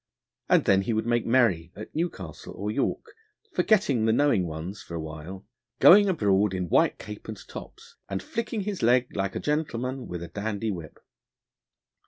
And then he would make merry at Newcastle or York, forgetting the knowing ones for a while, going abroad in white cape and tops, and flicking his leg like a gentleman with a dandy whip.